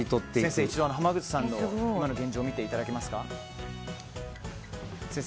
先生、濱口さんの今の現状を見ていただけますか。